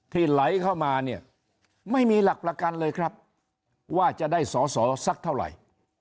ไหลเข้ามาเนี่ยไม่มีหลักประกันเลยครับว่าจะได้สอสอสักเท่าไหร่